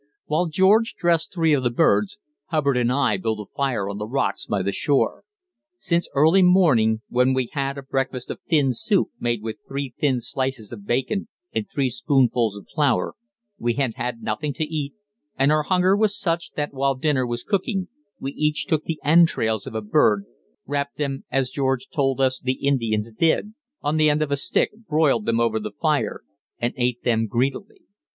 While George dressed three of the birds, Hubbard and I built a fire on the rocks by the shore. Since early morning, when we had a breakfast of thin soup made with three thin slices of bacon and three spoonfuls of flour, we had had nothing to eat, and our hunger was such, that while dinner was cooking, we each took the entrails of a bird, wrapped them as George told us the Indians did, on the end of a stick, broiled them over the fire and ate them greedily.